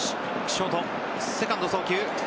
ショート、セカンド送球。